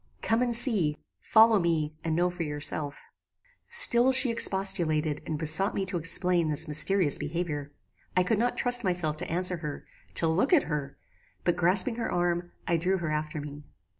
"Come and see. Follow me, and know for yourself." "Still she expostulated and besought me to explain this mysterious behaviour. I could not trust myself to answer her; to look at her; but grasping her arm, I drew her after me.